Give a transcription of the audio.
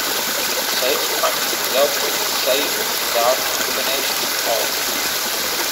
Safe cracking is opening a safe without a combination or key.